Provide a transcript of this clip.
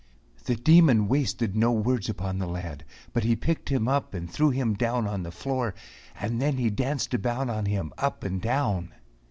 The Demon wasted no words upon the lad, but he picked him up and threw him down on the floor, and then he danced about on him up and down.